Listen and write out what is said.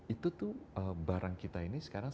itu tuh barang kita ini sekarang